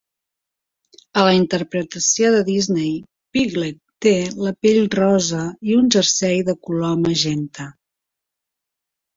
A la interpretació de Disney, Piglet té la pell rosa i un jersei de color magenta.